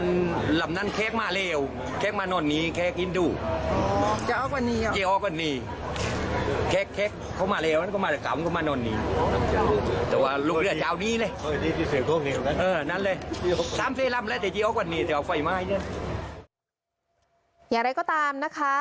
อย่างไรก็ตามนะคะ